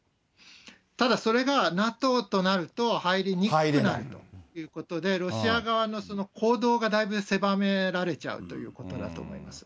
ただそれがＮＡＴＯとなると、入りにくくなるということで、ロシア側の行動が、だいぶ狭められちゃうということだと思います。